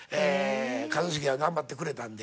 一茂が頑張ってくれたんで。